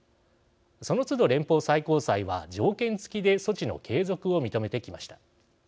そのつど、連邦最高裁は条件つきで措置の継続を認めてきました。